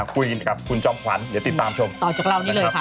พรุ่งนี้ไม่มีถ่ายทอดอะไร